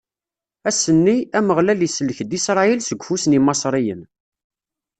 Ass-nni, Ameɣlal isellek-d Isṛayil seg ufus n Imaṣriyen.